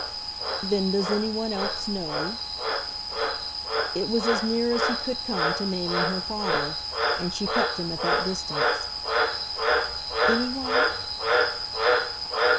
"Then does any one else know?" It was as near as he could come to naming her father, and she kept him at that distance. "Any one